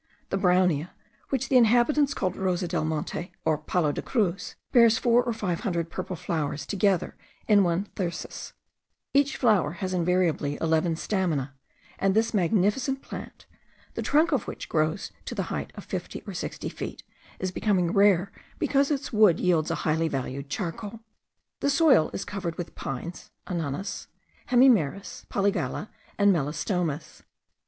The Brownea, which the inhabitants call rosa del monte, or palo de cruz, bears four or five hundred purple flowers together in one thyrsus; each flower has invariably eleven stamina, and this majestic plant, the trunk of which grows to the height of fifty or sixty feet, is becoming rare, because its wood yields a highly valued charcoal. The soil is covered with pines (ananas), hemimeris, polygala, and melastomas.